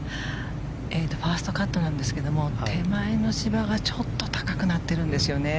ファーストカットなんですが手前の芝がちょっと高くなってるんです。